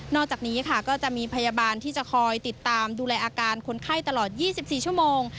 อกจากนี้ค่ะก็จะมีพยาบาลที่จะคอยติดตามดูแลอาการคนไข้ตลอด๒๔ชั่วโมง